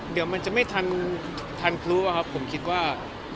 เดี๋ยวมันจะไม่ทันครู้ครับผมคิดว่า